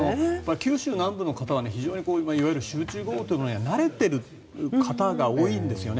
九州南部の方は非常に、集中豪雨というものに慣れている方が多いんですよね。